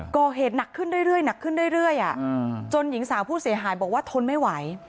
ก็เหตุหนักขึ้นเรื่อยจนหญิงสาวผู้เสียหายบอกว่าทนไม่ไหว